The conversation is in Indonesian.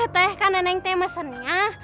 teh kan neneng teh mesennya